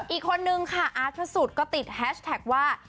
อีกคนนึงค่ะอาร์ตพระสุทธิ์ก็ติดแฮชแท็กว่า